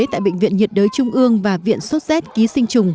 tại bệnh viện nhiệt đới trung ương và viện sốt z ký sinh trùng